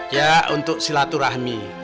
ya untuk silaturahmi